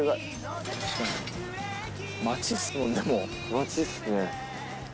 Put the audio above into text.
街っすね。